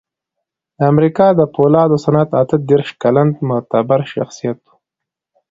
د امریکا د پولادو صنعت اته دېرش کلن معتبر شخصیت و